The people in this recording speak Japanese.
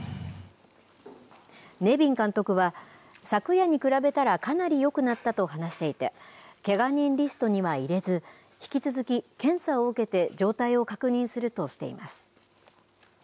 ネビン監督は、昨夜に比べたらかなりよくなったと話していて、けが人リストには入れず、引き続き、検査を受けて状態を確認するとしています。